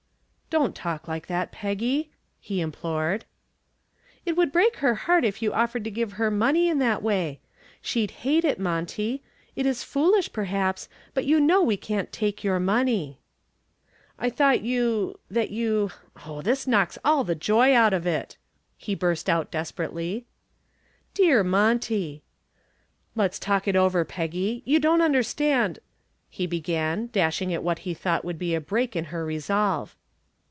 "Don't talk like that, Peggy," he implored. "It would break her heart if you offered to give her money in that way. She'd hate it, Monty. It is foolish, perhaps, but you know we can't take your money." "I thought you that you oh, this knocks all the joy out of it," he burst out desperately. "Dear Monty!" "Let's talk it over, Peggy; you don't understand " he began, dashing at what he thought would be a break in her resolve.